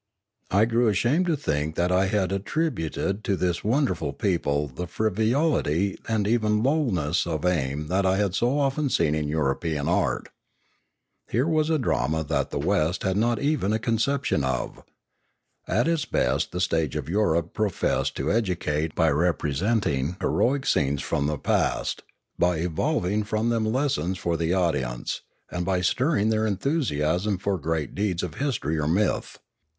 I grew ashamed to think that I had attributed to this wonder ful people the frivolity and even lowness of aim that I had so often seen in European art. Here was a drama that the West had not even a conception of. At its best the stage of Europe professed to educate by repre senting heroic scenes from the past, by evolving from them lessons for the audience, and by stirring their enthusiasm for great deeds of history or myth.